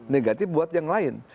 negatif buat yang lain